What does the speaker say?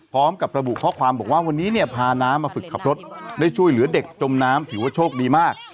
พร้อมกับระบุข้อความบอกว่าวันนี้เนี่ยพาน้ำมาฝึกขับรถได้ช่วยเหลือเด็กจมน้ำถือว่าโชคดีมาก